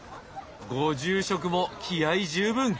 ご住職も気合い十分！